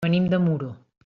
Venim de Muro.